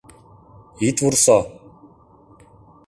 — Ит вурсо...